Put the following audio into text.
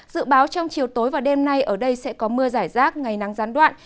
dự báo trong chiều tối và đêm nay ở đây sẽ có mưa giải rác ngày nắng gián đoạn